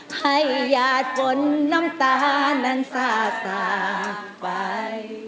ให้ยาจนน้ำตานั้นสาไป